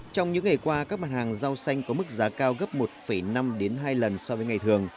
trong những ngày qua các mặt hàng rau xanh có mức giá cao gấp một năm hai lần so với ngày thường